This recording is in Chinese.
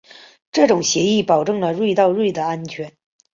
这样协议保证了端到端的安全。